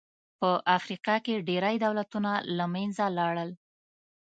په افریقا کې ډېری دولتونه له منځه لاړل.